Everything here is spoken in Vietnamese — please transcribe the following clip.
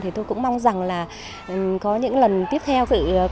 thì tôi cũng mong rằng là có những lần tiếp tục học bổng của các em